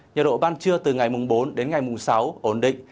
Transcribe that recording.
nhiệt độ ban trưa từ ngày mùng bốn đến ngày mùng sáu ổn định